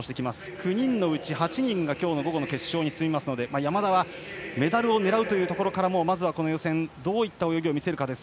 ９人のうち８人が今日の午後に進みますので山田はメダルを狙うというところからまずこの予選どういった泳ぎを見せるか。